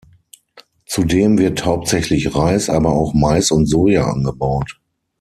Zudem wird hauptsächlich Reis, aber auch Mais und Soja angebaut.